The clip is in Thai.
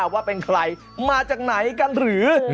ว่าเป็นใครมาจากไหนกันหรือ